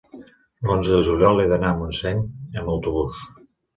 l'onze de juliol he d'anar a Montseny amb autobús.